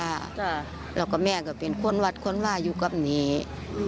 ค่ะแล้วก็แม่ก็เป็นคนวัดคนว่าอยู่กับนี้